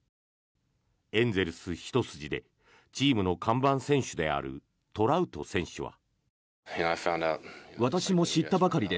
エンゼルス一筋でチームの看板選手であるトラウト選手は。